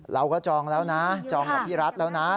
จองแล้วนะจองกับพี่รัฐแล้วนะ